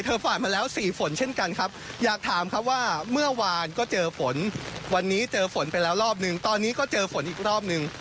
ผ่านมาแล้ว๔ฝนเช่นกันครับอยากถามครับว่าเมื่อวานก็เจอฝนวันนี้เจอฝนไปแล้วรอบนึงตอนนี้ก็เจอฝนอีกรอบนึง